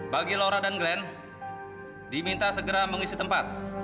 bagi lora dan glenn diminta segera mengisi tempat